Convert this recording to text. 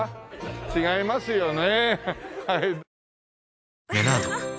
違いますよね。